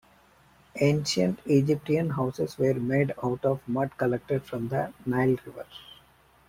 Ancient Egyptian houses were made out of mud collected from the Nile river.